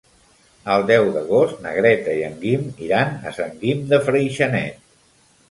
El deu d'agost na Greta i en Guim iran a Sant Guim de Freixenet.